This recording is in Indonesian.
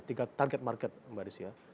tiga target market mbak desi ya